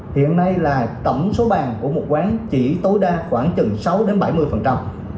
hiện nay là tổng số bàn của một quán chỉ tối đa khoảng chừng sáu đến bảy mươi